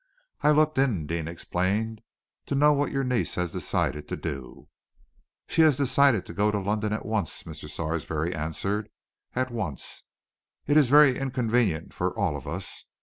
"I looked in," Deane explained, "to know what your niece had decided to do." "She has decided to go to London at once," Mr. Sarsby answered, "at once. It is very inconvenient for all of us.